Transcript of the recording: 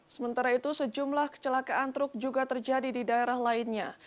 sementara itu sejumlah kecelakaan truk juga terjadi di daerah lainnya